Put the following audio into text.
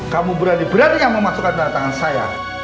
kamu berani berani yang memasukkan darah tangan saya